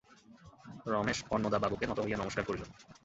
রমেশ অন্নদাবাবুকে নত হইয়া নমস্কার করিল।